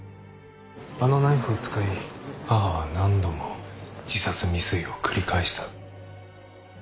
あのナイフを使い母は何度も自殺未遂を繰り返した。